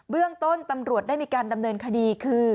เรื่องต้นตำรวจได้มีการดำเนินคดีคือ